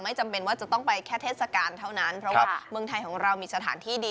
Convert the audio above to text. จำเป็นว่าจะต้องไปแค่เทศกาลเท่านั้นเพราะว่าเมืองไทยของเรามีสถานที่ดี